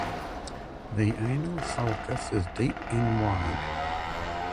The anal sulcus is deep and wide.